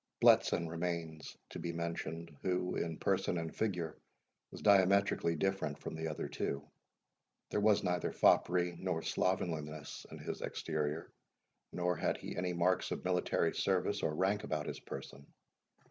Bletson remains to be mentioned, who, in person and figure, was diametrically different from the other two. There was neither foppery nor slovenliness in his exterior, nor had he any marks of military service or rank about his person.